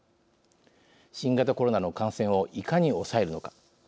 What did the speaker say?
新型コロナの感染をいかに抑えるのか。